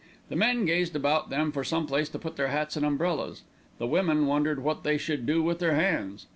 The men gazed about them for some place to put their hats and umbrellas, the women wondered what they should do with their hands.